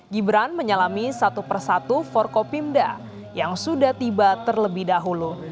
gibran menyalami satu persatu forkopimda yang sudah tiba terlebih dahulu